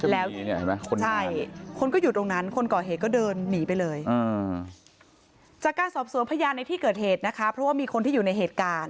แล้วคนนี้เห็นไหมคนก่อเหตุ